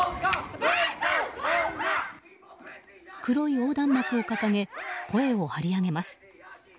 黒い横断幕を掲げ声を張り上げます。